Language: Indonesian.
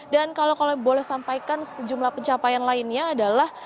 dan kalau boleh sampaikan sejumlah pencapaian lainnya adalah